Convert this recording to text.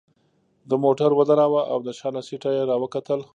ده موټر ودراوه او د شا له سیټه يې راوکتل.